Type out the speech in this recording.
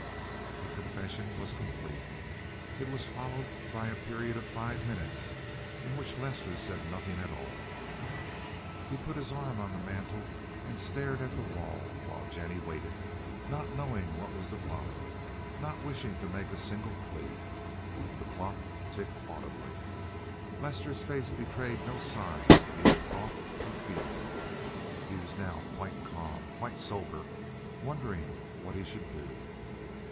The confession was complete. It was followed by a period of five minutes, in which Lester said nothing at all; he put his arm on the mantel and stared at the wall, while Jennie waited, not knowing what would follow—not wishing to make a single plea. The clock ticked audibly. Lester's face betrayed no sign of either thought or feeling. He was now quite calm, quite sober, wondering what he should do.